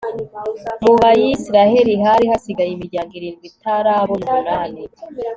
mu bayisraheli hari hasigaye imiryango irindwi itarabona umunani